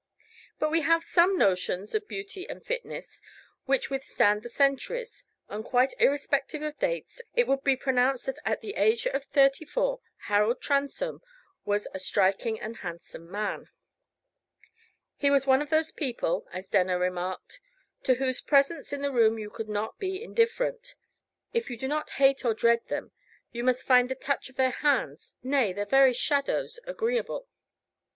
But we have some notions of beauty and fitness which withstand the centuries; and quite irrespective of dates, it would be pronounced that at the age of thirty four Harold Transome was a striking and handsome man. He was one of those people, as Denner remarked, to whose presence in the room you could not be indifferent; if you do not hate or dread them, you must find the touch of their hands, nay, their very shadows, agreeable.